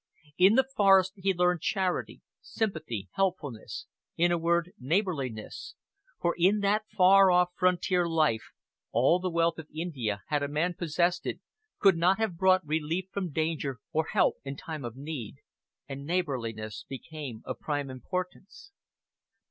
In the forest he learned charity, sympathy, helpfulness in a word neighborliness for in that far off frontier life all the wealth of India, had a man possessed it, could not have bought relief from danger or help in time of need, and neighborliness became of prime importance.